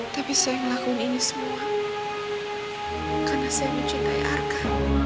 tapi saya ngelakuin ini semua karena saya mencintai arka